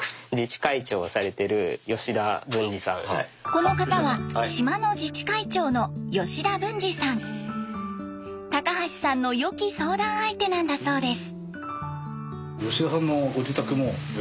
この方は島の自治会長の高橋さんのよき相談相手なんだそうです。